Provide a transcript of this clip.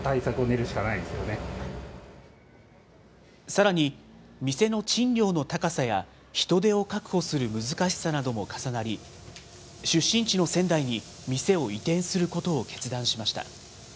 さらに、店の賃料の高さや、人手を確保する難しさなども重なり、出身地の仙台に店を移転することを決断しました。